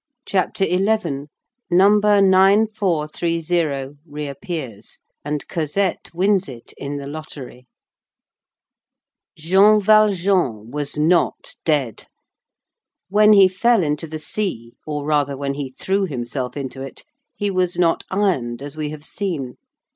Thénardier retraced his steps. CHAPTER XI—NUMBER 9,430 REAPPEARS, AND COSETTE WINS IT IN THE LOTTERY Jean Valjean was not dead. When he fell into the sea, or rather, when he threw himself into it, he was not ironed, as we have seen.